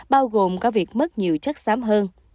bao gồm có việc mất nhiều chất xám hơn